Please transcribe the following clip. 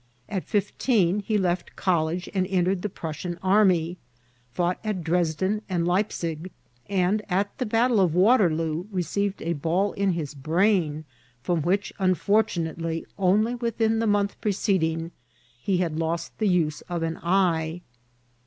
At fifteen he left college and entered the Prussian army ; fought at Dresden and Leipeic ; and at the battle of Waterloo received a ball in his brain, from which, unfortunately, only within the mondi preceding, he lost the use of one eye.